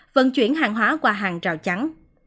vận chuyển hàng hóa qua hàng rào chắn